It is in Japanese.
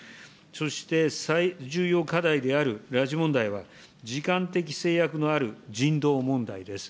そして最重要課題である拉致問題は、時間的制約のある人道問題です。